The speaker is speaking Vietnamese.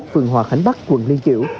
phường hòa khánh bắc quận liên triều